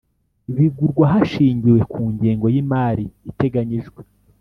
bigurwa hashingiwe ku ngengo y’imari iteganyijwe